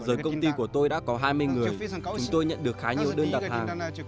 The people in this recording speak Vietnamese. giờ công ty của tôi đã có hai mươi người chúng tôi nhận được khá nhiều đơn đặt hàng